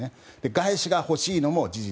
外資が欲しいのも事実。